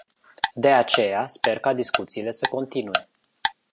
De aceea, sper ca discuțiile să continue.